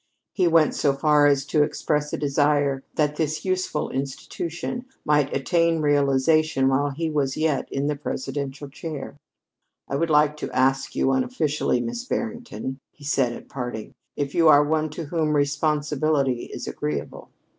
He went so far as to express a desire that this useful institution might attain realization while he was yet in the presidential chair. "I would like to ask you unofficially, Miss Barrington," he said at parting, "if you are one to whom responsibility is agreeable?"